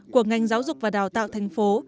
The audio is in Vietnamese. của ngành giáo dục và đào tạo thành phố